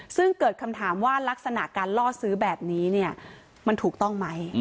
ซึ่งเกิดคำถามว่ารักษณะการล่อซื้อแบบนี้เนี่ยมันถูกต้องไหม